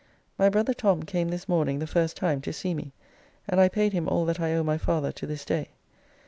My brother Tom came this morning the first time to see me, and I paid him all that I owe my father to this day.